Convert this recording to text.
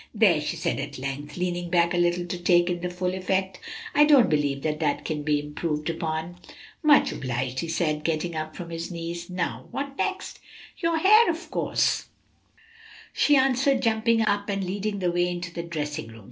"There!" she said at length, leaning back a little to take in the full effect, "I don't believe that can be improved upon." "Much obliged," he said, getting up from his knees. "Now, what next?" "Your hair, of course," she answered, jumping up and leading the way into the dressing room.